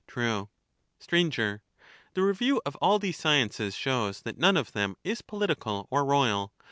True. Sir. The review of all these sciences shows that none of them is political or royal.